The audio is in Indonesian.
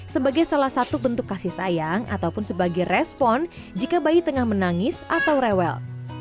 sebagai salah satu bentuk kasih sayang ataupun sebagai respon jika bayi tengah menangis atau rewel